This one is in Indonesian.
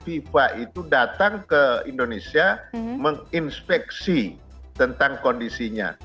fifa itu datang ke indonesia menginspeksi tentang kondisinya